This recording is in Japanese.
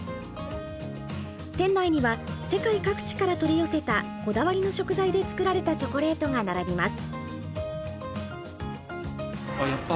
店内には世界各地から取り寄せたこだわりの食材で作られたチョコレートが並びます。